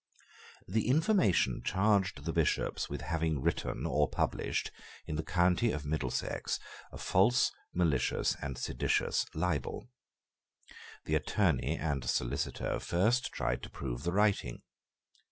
The information charged the Bishops with having written or published, in the county of Middlesex, a false, malicious, and seditious libel. The Attorney and Solicitor first tried to prove the writing.